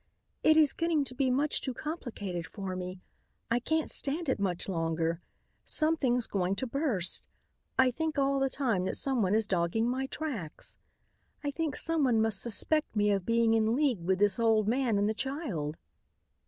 "It is getting to be much too complicated for me. I can't stand it much longer. Something's going to burst. I think all the time that someone is dogging my tracks. I think someone must suspect me of being in league with this old man and the child."